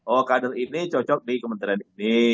oh kader ini cocok di kementerian ini